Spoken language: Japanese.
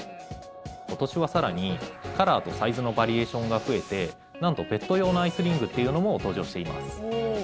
今年は更にカラーとサイズのバリエーションが増えてなんと、ペット用のＩＣＥＲＩＮＧっていうのも登場しています。